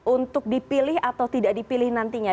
untuk dipilih atau tidak dipilih nantinya